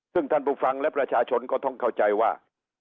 ซึ่งท่านผู้ฟังและประชาชนก็ต้องเข้าใจว่า